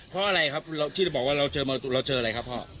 เพราะอะไรครับที่จะบอกว่าเราเจอเราเจออะไรครับพ่อ